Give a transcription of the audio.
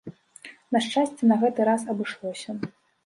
На шчасце, на гэты раз абышлося.